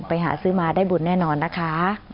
ไปหาซื้อมาได้บุญแน่นอนนะคะ